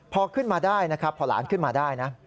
พอขึ้นมาได้นะครับพอหลานขึ้นมาได้นะ